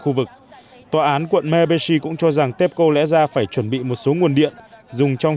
khu vực tòa án quận mebesi cũng cho rằng tepco lẽ ra phải chuẩn bị một số nguồn điện dùng trong